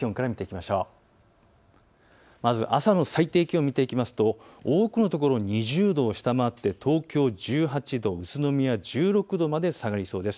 まず朝の最低気温を見ていきますと多くの所、２０度を下回って東京１８度、宇都宮は１６度まで下がりそうです。